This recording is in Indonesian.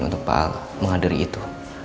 untuk pak al menghadiri itu